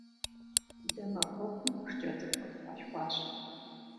Дэ махуэкум шкӀэ цӀыкӀу къытхуалъхуащ.